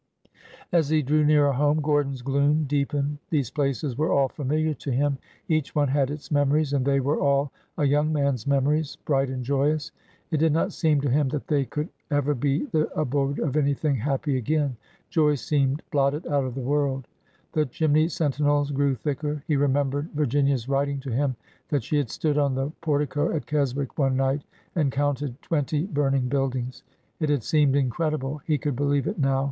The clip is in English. As he drew nearer home, Gordon's gloom deepened. These places were all familiar to him; each one had its memories, and they were all a young man's memories — bright and joyous. It did not seem to him that they could ever be the abode of anything happy again. Joy seemed blotted out of the world. The chimney sentinels grew thicker. He remembered Virginia's writing to him that she had stood on the por tico at Keswick one night and counted twenty burning buildings. It had seemed incredible. He could believe it now.